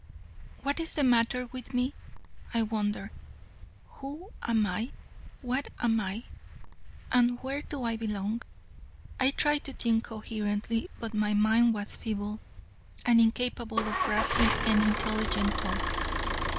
"What is the matter with me?" I wondered. "Who am I, what am I, and where do I belong?" I tried to think coherently, but my mind was feeble and incapable of grasping an intelligent thought.